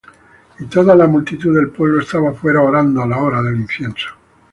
Y toda la multitud del pueblo estaba fuera orando á la hora del incienso.